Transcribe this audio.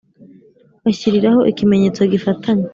ashyiriraho ikimenyetso gifatanya,